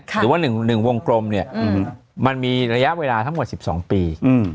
หรือว่า๑วงกลมเนี่ยมันมีระยะเวลาทั้งหมด๑๒ปี